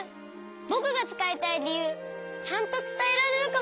ぼくがつかいたいりゆうちゃんとつたえられるかも。